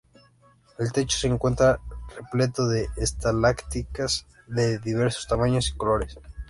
El techo se encuentra repleto de estalactitas de diversos tamaños y colores.